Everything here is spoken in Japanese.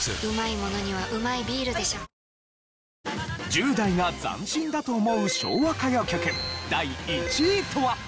１０代が斬新だと思う昭和歌謡曲第１位とは。